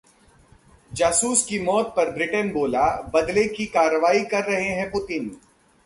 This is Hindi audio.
जासूस की मौत पर ब्रिटेन बोला- बदले की कार्रवाई कर रहे हैं पुतिन